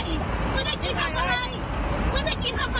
แล้วเมื่อกี้แลนด์มันอยู่ตรงเรา